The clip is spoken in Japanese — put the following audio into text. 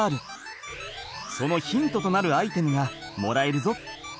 そのヒントとなるアイテムがもらえるぞ。